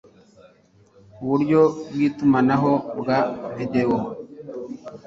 uburyo bw itumanaho bwa videwo